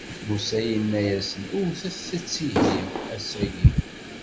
Musa yenna-yasen: wwtet-tt ihi, ass-agi.